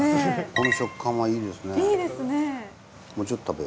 この食感はいいですね。